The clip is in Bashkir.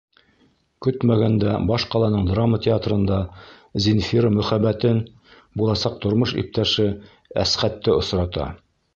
Көтмәгәндә баш ҡаланың драма театрында Зинфира мөхәббәтен — буласаҡ тормош иптәше Әсхәтте — осрата.